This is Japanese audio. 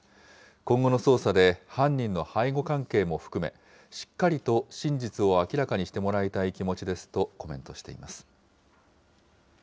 今後の捜査で犯人の背後関係も含め、しっかりと真実を明らかにしてもらいたい気持ちですとコメントしています。